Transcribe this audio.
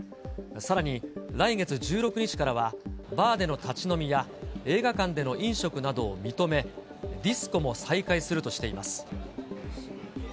さらに、来月１６日からは、バーでの立ち飲みや、映画館での飲食などを認め、ディスコも再開するとしています。